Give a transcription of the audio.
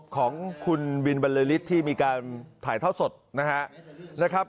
ของคุณบินบริลิสที่มีการถ่ายเท่าสดนะครับ